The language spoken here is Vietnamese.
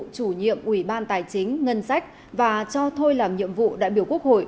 chủ nhiệm ủy ban tài chính ngân sách và cho thôi làm nhiệm vụ đại biểu quốc hội